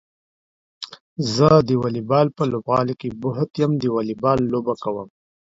زه د واليبال په لوبغالي کې بوخت يم د واليبال لوبه کوم.